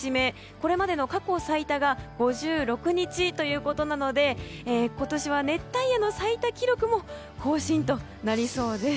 これまでの過去最多が５６日ということなので今年は熱帯夜の最多記録も更新となりそうです。